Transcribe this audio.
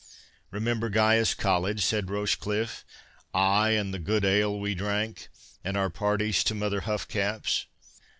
"Remember Caius College?" said Rochecliffe; "ay, and the good ale we drank, and our parties to mother Huffcap's."